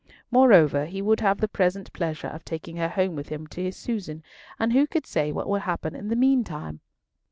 Moreover, he would have the present pleasure of taking her home with him to his Susan, and who could say what would happen in the meantime?